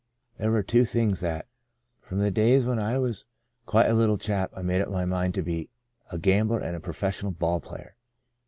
There were two things that, from the days when I was quite a little chap, I made up my mind to be — a gambler and a professional ball player.